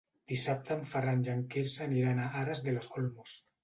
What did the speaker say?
Dissabte en Ferran i en Quirze aniran a Aras de los Olmos.